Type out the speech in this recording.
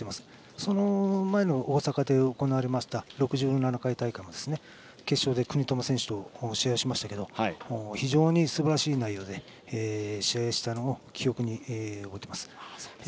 その前の大阪で行われました６７回大会も決勝で國友選手と試合をしましたが非常にすばらしい内容で試合していたのを記憶に残っています。